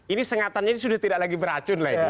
ini sengatannya sudah tidak lagi beracun lagi